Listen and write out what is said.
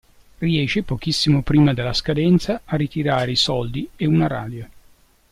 Riesce pochissimo prima della scadenza a ritirare i soldi e una radio.